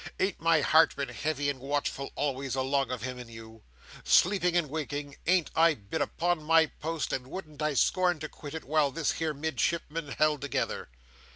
Ain't my heart been heavy and watchful always, along of him and you? Sleeping and waking, ain't I been upon my post, and wouldn't I scorn to quit it while this here Midshipman held together!"